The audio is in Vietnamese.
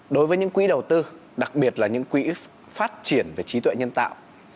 đối với những quỹ đầu tư đặc biệt là những quỹ phát triển về trí tuệ nhân tạo